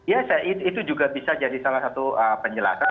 ya itu juga bisa jadi salah satu penjelasan